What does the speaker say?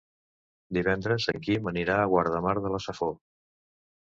Divendres en Quim anirà a Guardamar de la Safor.